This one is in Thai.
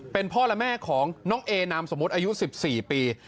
เป็นพ่อและแม่ของน้องเอนามสมมุติอายุ๑๔ปี